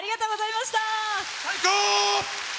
最高！